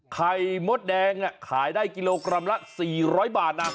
ไข่มดแดงขายได้กิโลกรัมละ๔๐๐บาทนะ